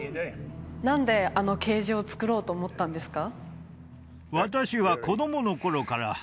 何であのケージを作ろうと思ったんですか？